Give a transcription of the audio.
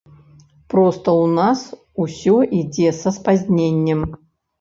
Проста ў нас усё ідзе са спазненнем.